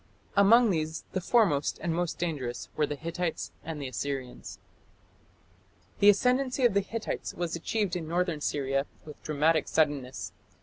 Among these the foremost and most dangerous were the Hittites and the Assyrians. The ascendancy of the Hittites was achieved in northern Syria with dramatic suddenness.